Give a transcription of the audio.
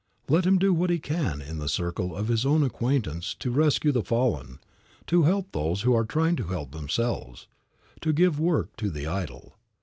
Let him do what he can in the circle of his own acquaintance to rescue the fallen, to help those who are trying to help themselves, to give work to the idle.